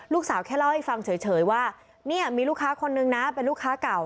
ลูกสาวแค่เล่าให้ฟังเฉยว่าเนี่ยมีลูกค้าคนนึงนะเป็นลูกค้าเก่า